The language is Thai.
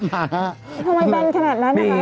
ทำไมเป็นขนาดนั้นฮะ